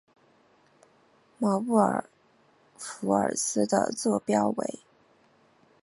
马布尔福尔斯的座标为。